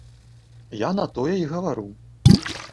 Я на тое і гавару.